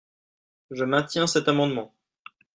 Je maintiens cet amendement.